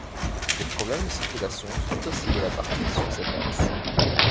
Les problèmes de circulation sont aussi de la partie sur cet axe.